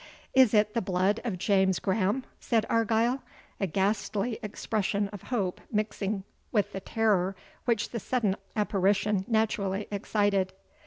"Is it the blood of James Grahame?" said Argyle, a ghastly expression of hope mixing with the terror which the sudden apparition naturally excited.